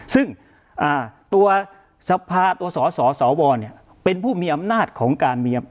ซึ่งตัวสภาตัวสสวเป็นผู้มีอำนาจของการมี